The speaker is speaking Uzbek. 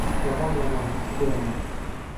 Zamon yomon, juda yomon...